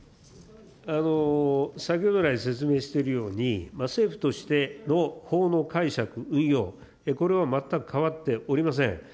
先ほどらい説明しているように、政府としての法の解釈、運用、これは全く変わっておりません。